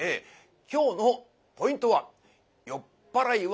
今日のポイントは「酔っ払いは虎と言う」。